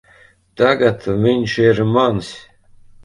Tagad viņš ir mans.